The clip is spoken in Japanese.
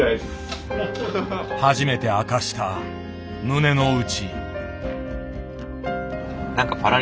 初めて明かした胸の内。